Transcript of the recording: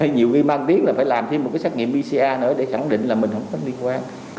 nhiều khi mang tiếng là phải làm thêm một cái xét nghiệm pcr nữa để khẳng định là mình không có liên quan